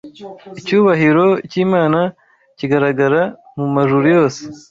Icyubahiro cy’Imana kigaragara mu majuru yose